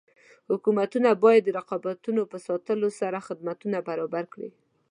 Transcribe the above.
حکومتونه باید د رقابتونو په ساتلو سره خدمتونه برابر کړي.